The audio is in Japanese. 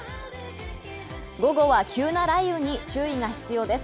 午後は急な雷雨に注意が必要です。